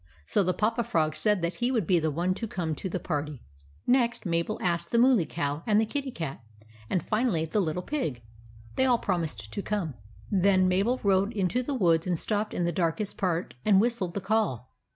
So the Papa Frog said that he would be the one to come to the party. Next, Mabel asked the Mooly Cow and the Kitty Cat, and finally the Little Pig. They all promised to come. Then Mabel rode into the woods, and stopped in the darkest part and whistled the call.